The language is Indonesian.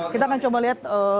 kita akan coba lihat